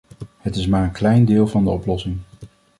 Het is maar een heel klein deel van de oplossing.